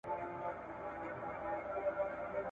دوست ته حال وایه دښمن ته لاپي.